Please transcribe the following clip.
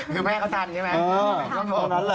คือแม่เขาตามใช่ไหมนั่นแหละ